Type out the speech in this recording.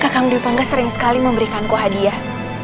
kakang dwi pangga sering sekali memberikanku hadiah